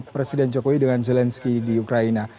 presiden jokowi dengan zelensky di ukraina